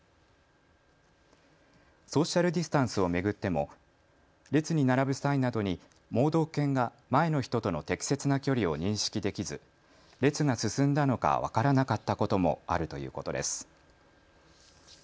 ソーシャルディスタンスを巡っても列に並ぶ際などに盲導犬が前の人との適切な距離を認識できず列が進んだのか分からなかったこともあるということです。